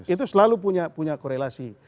itu selalu punya korelasi